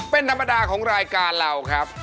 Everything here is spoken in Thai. เป็นธรรมดาของรายการเราครับ